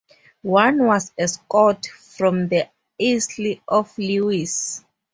One was a Scot from the Isle of Lewis.